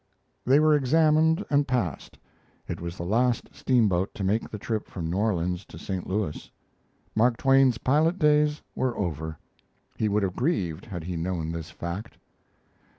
They were examined and passed. It was the last steamboat to make the trip from New Orleans to St. Louis. Mark Twain's pilot days were over. He would have grieved had he known this fact.